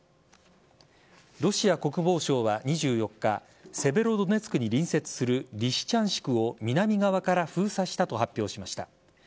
ロシア国防省は２４日セベロドネツクに隣接するリシチャンシクを南側から封鎖したと発表しました。